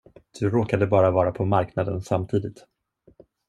Du råkade bara vara på marknaden samtidigt.